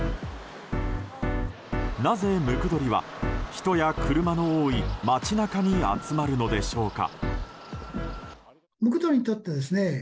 なぜムクドリは、人や車の多い街中に集まるのでしょうか。